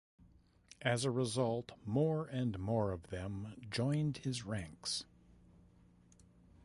As a result, more and more of them joined his ranks.